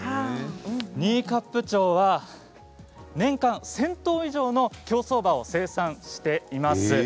新冠町は、年間１０００頭以上の競走馬を生産しています。